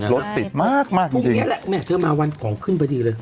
รถติดมากมากพรุ่งนี้แหละแม่เธอมาวันของขึ้นพอดีเลย